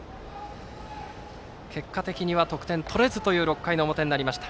結果的には得点取れずという６回の表になりました。